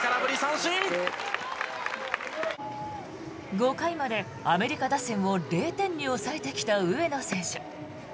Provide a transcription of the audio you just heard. ５回までアメリカ打線を０点に抑えてきた上野選手。